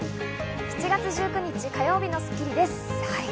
７月１９日、火曜日の『スッキリ』です。